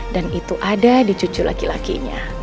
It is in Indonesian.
dan itu ada di cucu laki lakinya